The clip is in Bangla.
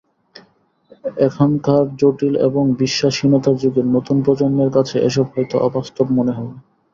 এখনকার জটিল এবং বিশ্বাসহীনতার যুগে নতুন প্রজন্মের কাছে এসব হয়তো অবাস্তব মনে হবে।